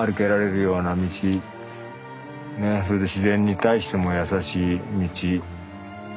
ねそれで自然に対してもやさしい道。